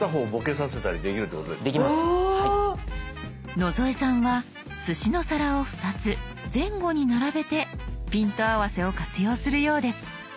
野添さんはすしの皿を２つ前後に並べてピント合わせを活用するようです。